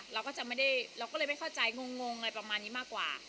เราก็จะไม่ได้เราก็เลยไม่เข้าใจงงอะไรประมาณนี้มากกว่า